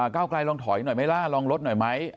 เก้าไกลลองถอยหน่อยไหมล่ะลองลดหน่อยไหม